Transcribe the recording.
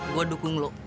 gue dukung lo